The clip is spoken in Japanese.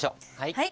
はい。